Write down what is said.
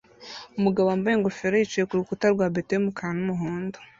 Umugabo wambaye ingofero yicaye kurukuta rwa beto yumukara numuhondo